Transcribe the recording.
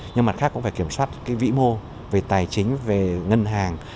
nhưng mặt khác cũng phải kiểm soát cái vĩ mô về tài chính về ngân hàng